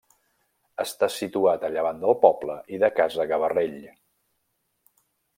Està situat a llevant del poble i de Casa Gavarrell.